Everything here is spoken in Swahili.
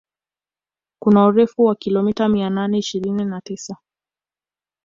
Kuna urefu wa kilomita mia nane ishirini na tisa